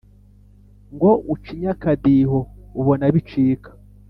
Ngo ucinye akadiho ubona bicika?